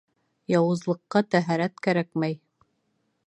Яуызлыҡҡа тәһәрәт кәрәкмәй.